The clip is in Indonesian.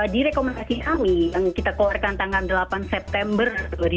di rekomendasi kami yang kita keluarkan tanggal delapan september dua ribu dua puluh